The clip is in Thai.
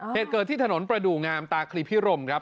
เหตุเกิดที่ถนนประดูกงามตาคลีพิรมครับ